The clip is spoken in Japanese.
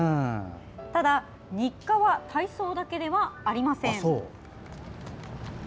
ただ、日課は体操だけではありません。